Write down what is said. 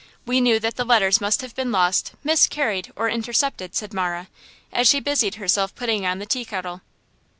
We knew that the letters must have been lost, miscarried or intercepted," said Marah, as she busied herself putting on the tea kettle.